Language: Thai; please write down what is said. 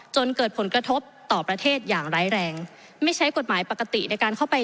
จนเกิดผลกระทบต่อประเทศอย่างไร้แรงไม่ใช้กฎหมายปกติในการเข้าไป